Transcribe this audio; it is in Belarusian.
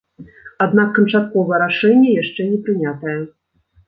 Аднак канчатковае рашэнне яшчэ не прынятае.